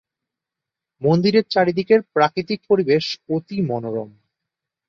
মন্দিরের চারদিকের প্রাকৃতিক পরিবেশ অতি মনোরম।